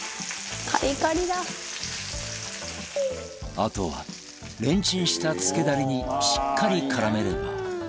あとはレンチンした漬けダレにしっかり絡めれば